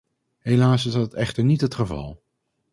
Helaas is dat echter niet het geval.